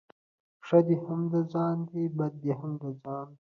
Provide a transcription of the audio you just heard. ښه دي هم د ځان دي ، بد دي هم د ځآن.